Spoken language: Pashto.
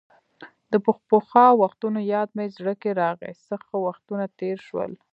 د پخوا وختونو یاد مې زړه کې راغۍ، څه ښه وختونه تېر شول.